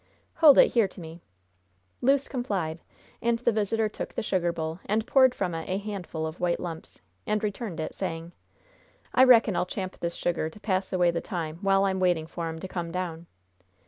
"Hold it here to me." Luce complied, and the visitor took the sugar bowl and poured from it a handful of white lumps, and returned it, saying: "I reckon I'll champ this sugar to pass away the time while I'm waiting for 'em to come down."